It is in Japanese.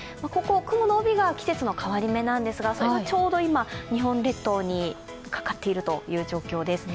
雲の帯が季節の変わり目なんですが、それがちょうど今、日本列島にかかっている状況です。